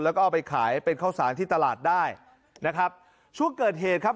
แล้วก็เอาไปขายเป็นข้าวสารที่ตลาดได้นะครับช่วงเกิดเหตุครับ